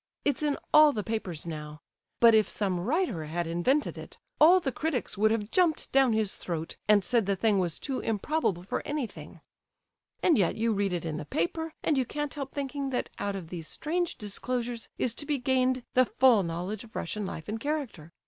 It's in all the papers now. But if some writer had invented it, all the critics would have jumped down his throat and said the thing was too improbable for anything. And yet you read it in the paper, and you can't help thinking that out of these strange disclosures is to be gained the full knowledge of Russian life and character.